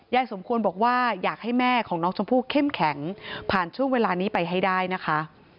สมควรบอกว่าอยากให้แม่ของน้องชมพู่เข้มแข็งผ่านช่วงเวลานี้ไปให้ได้นะคะ